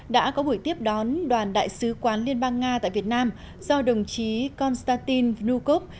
đã có buổi tiếp đón đoàn đại sứ quán liên bang nga tại việt nam do đồng chí konstantin vnukov